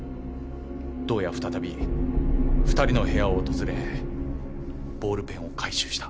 同夜再び２人の部屋を訪れボールペンを回収した。